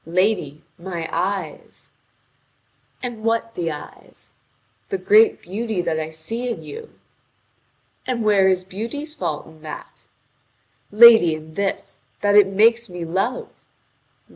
"Lady, my eyes." "And what the eyes?" "The great beauty that I see in you." "And where is beauty's fault in that?" "Lady, in this: that it makes me love."